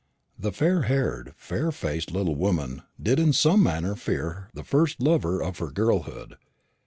The fair haired, fair faced little woman did in some manner fear the first lover of her girlhood.